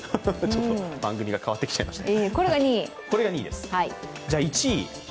番組が変わってきちゃいますね。